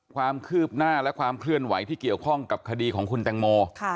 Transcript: ความคืบหน้าและความเคลื่อนไหวที่เกี่ยวข้องกับคดีของคุณแตงโม